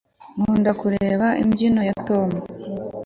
nkunda kureba imbyino ya tom